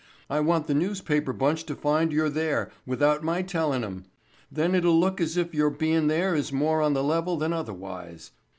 I want the newspaper bunch to find you're there without my tellin' 'em. Then it'll look as if your bein' there is more on the level than otherwise.